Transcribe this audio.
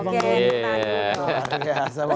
terima kasih bang roni